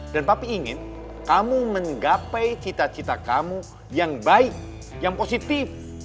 dan papi ingin kamu menggapai cita cita kamu yang baik yang positif